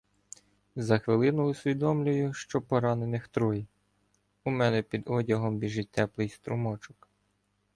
За хвилину усвідомлюю, що поранених троє: у мене під одягом біжить теплий струмочок.